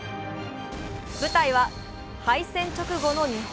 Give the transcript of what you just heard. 舞台は敗戦直後の日本。